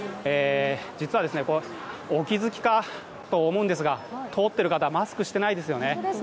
実はお気づきかもしれませんが、通っている方、マスクをしていないですよね。